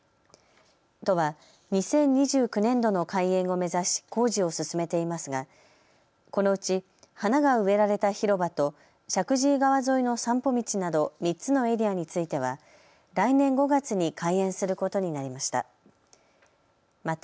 都は２０２９年度の開園を目指し工事を進めていますがこのうち、花が植えられた広場と石神井川沿いの散歩道など３つのエリアについては来年５月に開園することになりました。